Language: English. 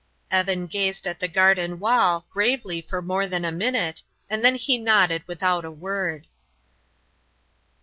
Evan gazed at the garden wall, gravely for more than a minute, and then he nodded without a word.